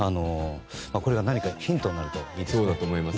これが何かヒントになるといいですね。